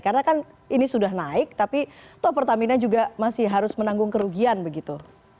karena kan ini sudah naik tapi toh pertamina juga masih harus menanggung kerugian begitu